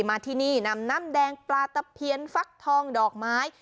มาที่นี่นำน้ำแดงปลาตะเพียนฟักทองดอกไม้